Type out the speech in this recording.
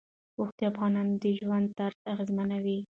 اوښ د افغانانو د ژوند طرز اغېزمنوي.